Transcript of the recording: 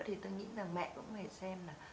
thì tôi nghĩ là mẹ cũng phải xem là